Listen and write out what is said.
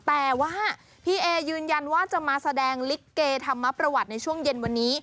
แต่ว่าพี่เอยืนยันว่าจะมาแสดงลิเกธรรมประวัติในช่วงเย็นวันนี้